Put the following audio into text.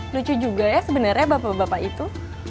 lucu juga ya sebenarnya bapak bapak itu